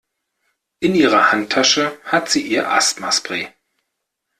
In ihrer Handtasche hat sie ihr Asthmaspray.